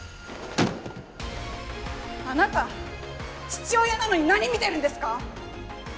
あなた父親なのに何見てるんですか？